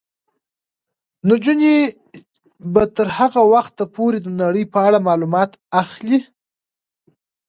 نجونې به تر هغه وخته پورې د نړۍ په اړه معلومات اخلي.